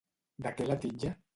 De què la titlla?